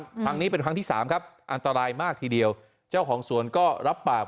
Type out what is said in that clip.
ครั้งนี้เป็นครั้งที่สามครับอันตรายมากทีเดียวเจ้าของสวนก็รับปาก